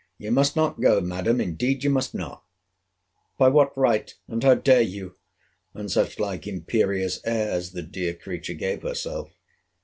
You must not go, Madam. Indeed you must not. By what right?—And how dare you?—And such like imperious airs the dear creature gave herself.